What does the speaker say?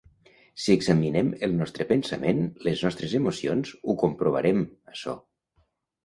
Si examinem el nostre pensament, les nostres emocions, ho comprovarem, açò.